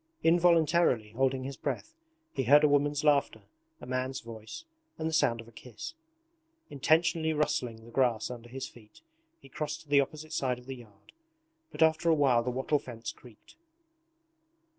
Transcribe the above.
Involuntarily holding his breath, he heard a woman's laughter, a man's voice, and the sound of a kiss. Intentionally rustling the grass under his feet he crossed to the opposite side of the yard, but after a while the wattle fence creaked.